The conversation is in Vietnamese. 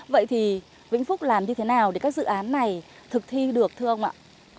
vậy thì vĩnh phúc làm như thế nào để các dự án này thực thi được thưa ông ạ